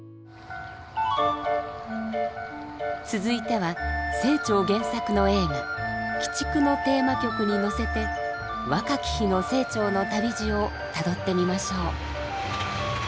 続いては清張原作の映画「鬼畜」のテーマ曲に乗せて若き日の清張の旅路をたどってみましょう。